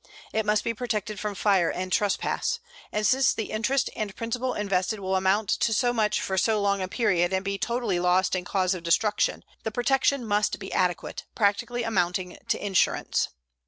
It must be protected from fire and trespass. And since the interest and principal invested will amount to so much for so long a period and be totally lost in case of destruction, the protection must be adequate, practically amounting to insurance.